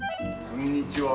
こんにちは。